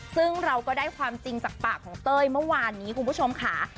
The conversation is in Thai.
ซึ่งเราก็ได้ความจริงจากปากของเต้ยเมื่อวานนี้คุณผู้ชมค่ะ